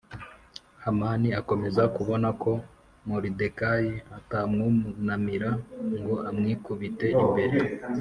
Hamani akomeza kubona ko Moridekayi atamwunamira ngo amwikubite imbere